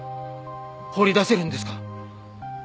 放り出せるんですか？